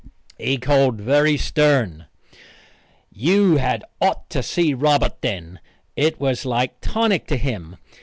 he called very stern. You had otter see Robert then. It was like tonic to him.